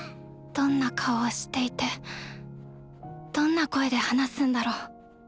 どんな顔をしていてどんな声で話すんだろう？